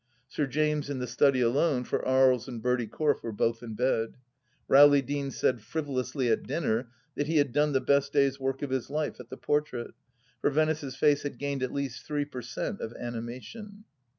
Sir James in the study alone, for Aries and Bertie Corfe were both in bed. Rowley Deane said frivo lously at dinner, that he had done the best day's work of his life at the portrait, for Venice's face had gained at least three per cent, of animation.